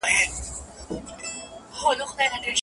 شاګردانو ته باید یوازي سمه او علمي لار وښودل سي.